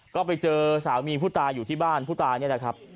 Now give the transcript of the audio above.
ก็ไปเจอสามีผู้ตายอยู่ที่บ้านผู้ตายนี่แหละครับ